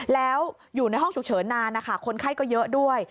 แล้วอยู่ในห้องฉุกเฉินนานนะคะคนไข้ก็เยอะด้วย